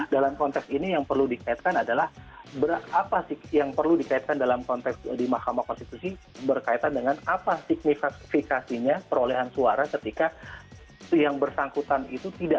dalam konteks ini yang perlu dikaitkan adalah apa sih yang perlu dikaitkan dalam konteks di mahkamah konstitusi berkaitan dengan apa signifikansinya perolehan suara ketika yang bersangkutan itu tidak